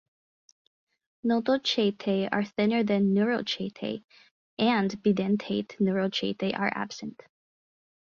Notochaetae are thinner than neurochaetae and bidentate neurochaetae are absent